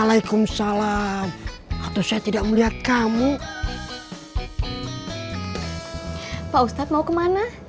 pak ustadz mau kemana